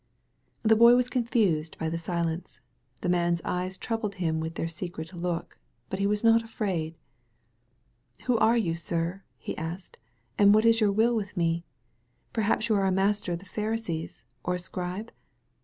The Boy was confused by the silence. The man's eyes troubled him with their secret look, but he was not afraid. "Who are you, sir," he asked, "and what is your will with me? Perhaps you are a master of the Pharisees or a scribe